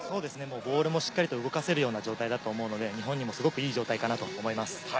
ボールもしっかり動かせるような状態だと思うので、日本にもすごくいい状態だと思います。